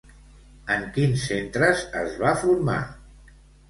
En quins centres es va formar?